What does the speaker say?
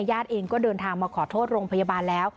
ญาติเองก็เดินทางมาขอโทษโรงพยาบาลแล้ว